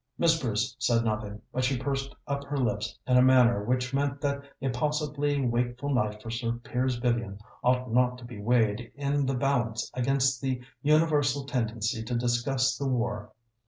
Miss Bruce said nothing, but she pursed up her lips in a manner which meant that a possibly wakeful night for Sir Piers Vivian ought not to be weighed in the balance against the universal tendency to discuss the war.